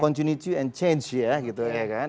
continuity and change ya gitu ya kan